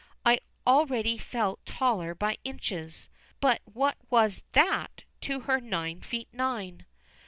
I already felt taller by inches but what was that to her nine feet nine?